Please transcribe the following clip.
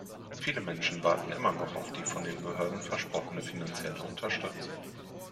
Viele Menschen warten immer noch auf die von den Behörden versprochene finanzielle Unterstützung.